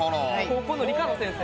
高校の理科の先生。